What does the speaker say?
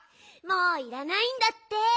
もういらないんだって。